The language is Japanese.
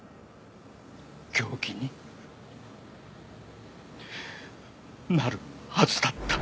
凶器になるはずだった。